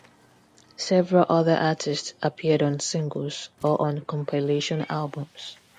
Several other artists appeared on singles, or on compilation albums.